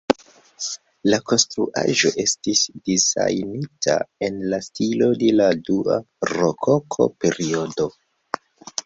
La konstruaĵo estis dizajnita en la stilo de la dua rokoko-periodo.